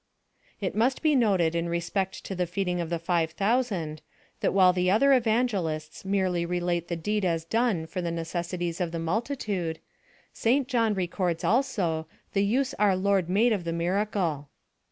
It must be noted in respect of the feeding of the five thousand, that while the other evangelists merely relate the deed as done for the necessities of the multitude, St John records also the use our Lord made of the miracle.